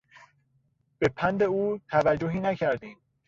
به پند او توجهی نکردیم.